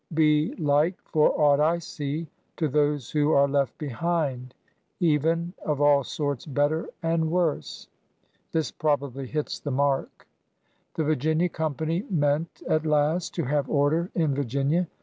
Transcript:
be like (for aught I see) to those who are left behind, even of all sorts better and worse!'' This probably hits the mark. The Virginia Company meant at last to have order in Virginia.